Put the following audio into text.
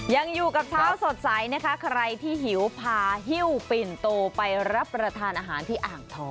ยังอยู่กับเช้าสดใสนะคะใครที่หิวพาฮิ้วปิ่นโตไปรับประทานอาหารที่อ่างทอง